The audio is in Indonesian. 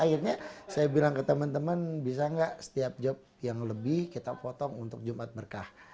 akhirnya saya bilang ke teman teman bisa nggak setiap job yang lebih kita potong untuk jumat berkah